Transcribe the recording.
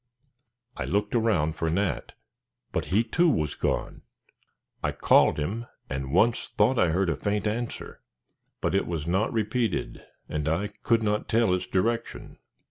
I looked around for Nat, but he too, was gone. I called him, and once thought I heard a faint answer. But it was not repeated, and I could not tell its direction.